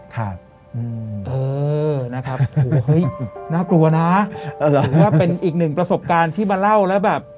ครับเออนะครับโอ้โหเฮ้ยน่ากลัวนะถือว่าเป็นอีกหนึ่งประสบการณ์ที่มาเล่าแล้วแบบ